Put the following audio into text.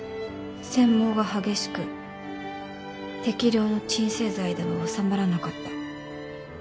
せん妄が激しく適量の鎮静剤では収まらなかった。